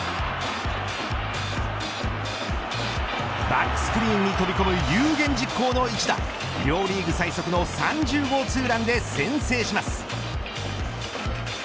バックスクリーンに飛び込む有言実行の一打両リーグ最速の３０号ツーランで先制します。